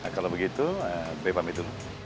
kalau begitu be pamit dulu